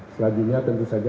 selanjutnya tentu saja